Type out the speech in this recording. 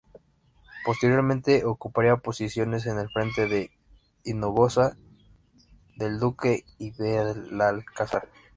Posteriormente ocuparía posiciones en el frente de Hinojosa del Duque y Belalcázar.